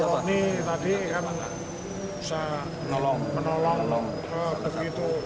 kalau ini tadi kan saya menolong begitu